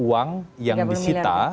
uang yang disita